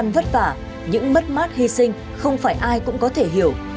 có những khó khăn vất vả những mất mát hy sinh không phải ai cũng có thể hiểu